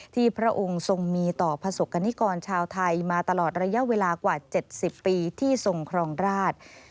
พระองค์ทรงมีต่อประสบกรณิกรชาวไทยมาตลอดระยะเวลากว่า๗๐ปีที่ทรงครองราช